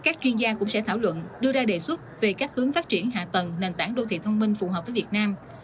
các chuyên gia cũng sẽ thảo luận đưa ra đề xuất về các hướng phát triển hạ tầng nền tảng đô thị thông minh phù hợp với việt nam